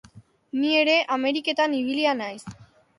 Ni ere Ameriketan ibilia naiz.